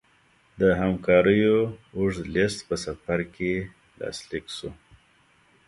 د همکاریو اوږد لېست په سفر کې لاسلیک شو.